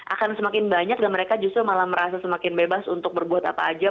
akan semakin banyak dan mereka justru malah merasa semakin bebas untuk berbuat apa aja